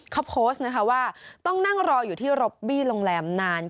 เขาโพสต์นะคะว่าต้องนั่งรออยู่ที่ร็อบบี้โรงแรมนาน